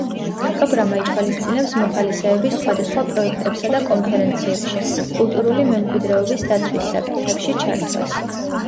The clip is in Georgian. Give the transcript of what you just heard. პროგრამა ითვალისწინებს მოხალისეების სხვადასხვა პროექტებსა და კონფერენციებში, კულტურული მემკვიდრეობის დაცვის საკითხებში ჩართვას.